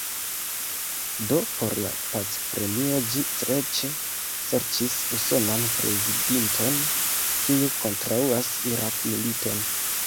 Do por la pac-premio ĝi streĉe serĉis usonan prezidinton, kiu kontraŭas Irak-militon.